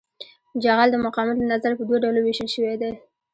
جغل د مقاومت له نظره په دوه ډلو ویشل شوی دی